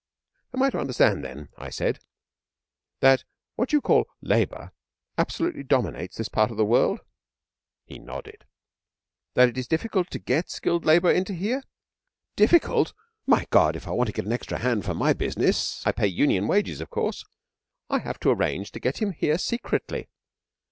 'Am I to understand, then,' I said, 'that what you call Labour absolutely dominates this part of the world?' He nodded. 'That it is difficult to get skilled labour into here?' 'Difficult? My God, if I want to get an extra hand for my business I pay Union wages, of course I have to arrange to get him here secretly.